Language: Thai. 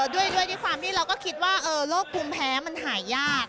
ด้วยความที่เราก็คิดว่าโรคภูมิแพ้มันหายาก